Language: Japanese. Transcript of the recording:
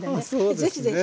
是非是非。